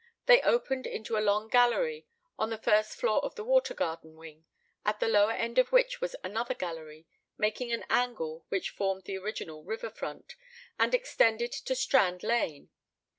They opened into a long gallery on the first floor of the water garden wing, at the lower end of which was another gallery, making an angle which formed the original river front, and extended to Strand Lane.